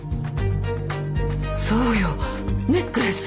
そうよネックレス！